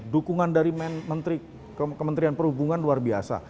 dukungan dari kementerian perhubungan luar biasa